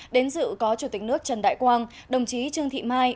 đến dự có chủ tịch nước trần đại quang đồng chí trương thị mai